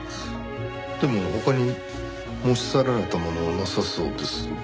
でも他に持ち去られたものはなさそうですが。